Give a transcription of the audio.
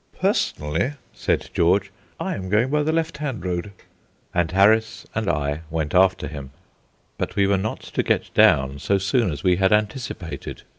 "Personally," said George, "I am going by the left hand road." And Harris and I went after him. But we were not to get down so soon as we had anticipated.